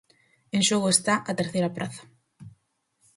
En xogo está a terceira praza.